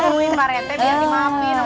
bantuin pak rt biar dimaafin sama bu indah